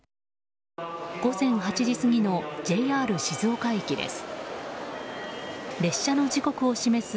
午前８時過ぎのＪＲ静岡駅です。